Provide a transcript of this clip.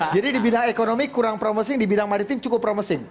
jadi di bidang ekonomi kurang promising di bidang maritim cukup promising